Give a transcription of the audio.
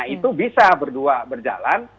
itu bisa berdua berjalan